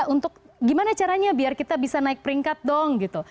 untuk gimana caranya biar kita bisa naik peringkat dong gitu